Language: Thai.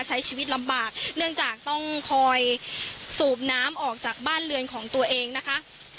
ใช้ชีวิตลำบากเนื่องจากต้องคอยสูบน้ำออกจากบ้านเรือนของตัวเองนะคะ